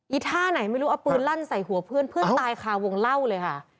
อีธ่าไหนไม่รู้เอาปืนลั่นใส่หัวเพื่อนตายค่ะวงเหล้าเลยค่ะ